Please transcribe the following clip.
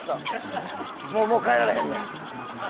もう帰られへんねん。